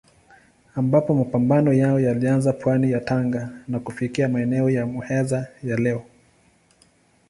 Ambapo mapambano yao yalianza pwani ya Tanga na kufika maeneo ya Muheza ya leo.